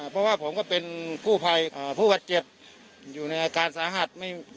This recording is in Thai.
เพราะว่าผมก็เป็นกู้ภัยผู้บาดเจ็บอยู่ในอาการสาหัส